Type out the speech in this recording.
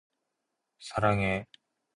사랑해.